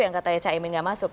yang katanya cak imin tidak masuk